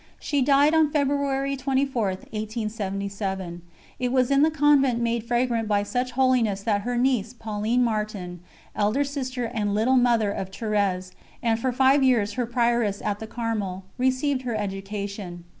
She died on February 24, 1877. It was in the convent made fragrant by such holiness that her niece Pauline Martin, elder sister and "little mother" of Thérèse, and for five years her Prioress at the Carmel, received her education.